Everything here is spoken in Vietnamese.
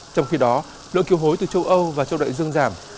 trong khi đó lượng kiều hối từ châu âu và châu đại dương giảm